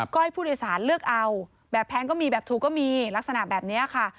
ก็ให้ผู้โดยสารเลือกเอาแบบแพงก็มีแบบถูกก็มีลักษณะแบบนี้ค่ะ